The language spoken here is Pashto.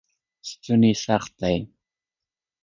ستوني سخت دی.